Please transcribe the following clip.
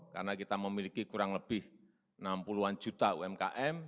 karena kita memiliki kurang lebih enam puluh an juta umkm